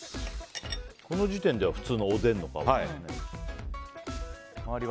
この時点では普通のおでんの香り。